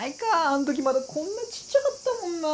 あん時まだこんなちっちゃかったもんな。